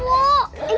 bu tolongin kamiah bu